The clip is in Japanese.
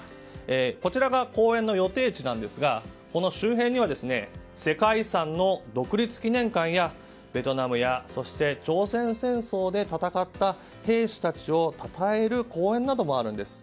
こちらが公園の予定地ですがその周辺には世界遺産の独立記念館やベトナムや朝鮮戦争で戦った兵士たちをたたえる公園などもあるんです。